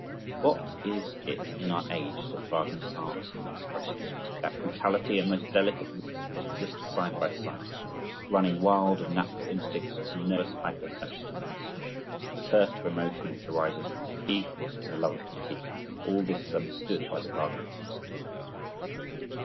What is it in our age that Wagner's art expresses? That brutality and most delicate weakness which exist side by side, that running wild of natural instincts, and nervous hyper sensitiveness, that thirst for emotion which arises from fatigue and the love of fatigue.—All this is understood by the Wagnerites.